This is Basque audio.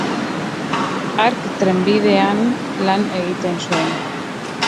Hark trenbidean lan egiten zuen.